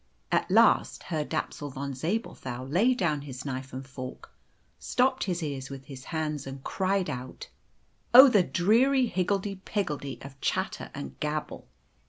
At last Herr Dapsul von Zabelthau laid down his knife and fork, stopped his ears with his hands, and cried out, "Oh, the dreary higgledy piggledy of chatter and gabble!"